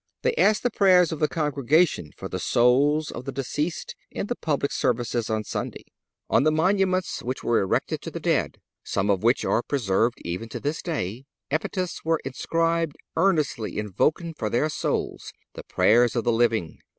They asked the prayers of the congregation for the souls of the deceased in the public services of Sunday. On the monuments which were erected to the dead, some of which are preserved even to this day, epitaphs were inscribed, earnestly invoking for their souls the prayers of the living.